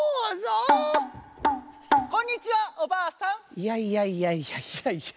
いやいやいやいやいやいや。